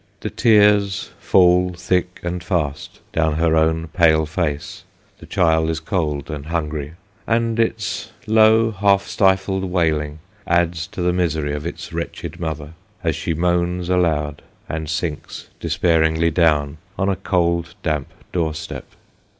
The tears fall thick and fast down her own pale face ; the child is cold and hungry, and its low half stifled wailing adds to the misery of its wretched mother, as she moans aloud, and sinks despairingly down, on a cold damp door step.